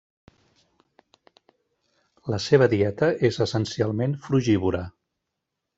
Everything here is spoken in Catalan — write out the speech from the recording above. La seva dieta és essencialment frugívora.